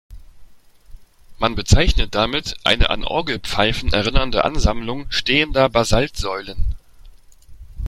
Man bezeichnet damit eine an Orgelpfeifen erinnernde Ansammlung stehender Basaltsäulen.